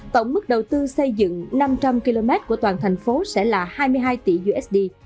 tổng mức đầu tư xây dựng năm trăm linh km của toàn thành phố sẽ là hai mươi hai tỷ usd